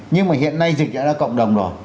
nhưng mà hiện nay dịch đã ra cộng đồng rồi